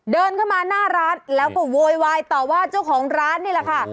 เดินเข้ามาหน้าร้านแล้วก็โวยวายต่อว่าเจ้าของร้านนี่แหละค่ะ